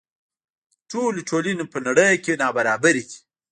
ټولې ټولنې په نړۍ کې نابرابرې دي.